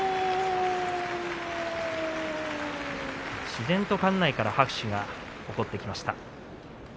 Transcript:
自然と館内から拍手が起こってきました。